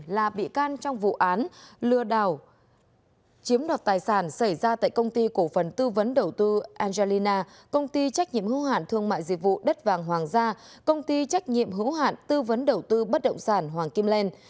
là bị can trong vụ án lừa đảo chiếm đoạt tài sản xảy ra tại công ty cổ phần tư vấn đầu tư angelina công ty trách nhiệm hữu hạn thương mại dịch vụ đất vàng hoàng gia công ty trách nhiệm hữu hạn tư vấn đầu tư bất động sản hoàng kim lên